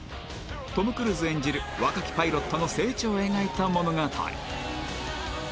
トム・クルーズ演じる若きパイロットの成長を描いた物語